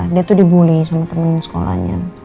dia tuh dibully sama temen sekolahnya